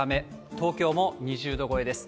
東京も２０度超えです。